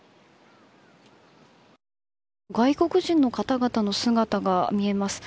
外国人の方々の姿が見えます。